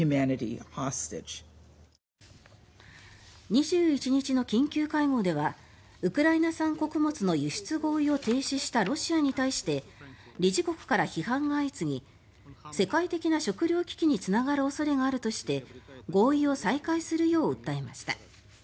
２１日の緊急会合ではウクライナ産穀物の輸出合意を停止したロシアに対して理事国から批判が相次ぎ世界的な食糧危機につながる恐れがあるとして合意を再開するよう訴えました。